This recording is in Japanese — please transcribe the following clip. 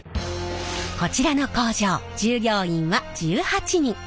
こちらの工場従業員は１８人。